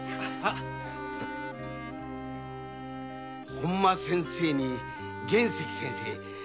本間先生に玄石先生。